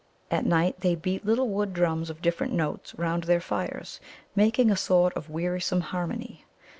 At night they beat little wood drums of different notes round their fires, making a sort of wearisome harmony.